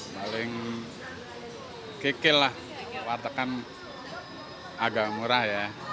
paling kikil lah wartegan agak murah ya